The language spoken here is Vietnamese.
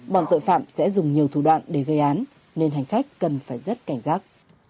bọn tội phạm sẽ dùng nhiều thủ đoạn để gây án nên hành khách cần phải rất cảnh giác